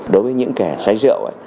đối với những kẻ xoáy rượu